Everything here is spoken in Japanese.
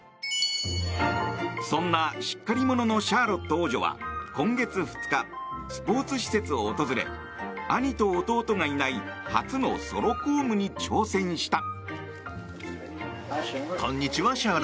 そんなしっかり者のシャーロット王女は今月２日スポーツ施設を訪れ兄と弟がいない初のソロ公務に挑戦した。